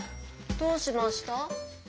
どうしました？